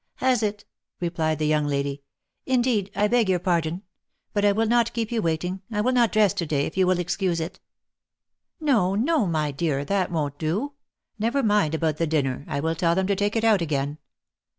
" Has it ?" replied the young lady ;" indeed, I beg your pardon — but I will not keep you waiting, I will not dress to day if you will ex cuse it." " No, no, my dear, that won't do. Never mind about the dinner I will tell them to take it out again."